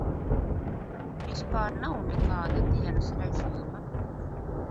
Vispār nav nekāda dienas režīma.